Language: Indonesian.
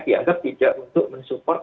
dianggap tidak untuk mensupport